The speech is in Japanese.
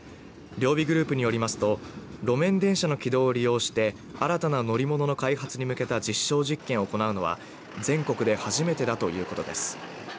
両備グループによりますと路面電車の軌道を利用して新たな乗り物の開発に向けた実証実験を行うのは全国で初めてだということです。